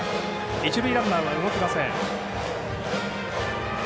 一塁ランナーは動きません。